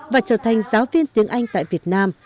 và trở thành giáo viên tiếng anh tại việt nam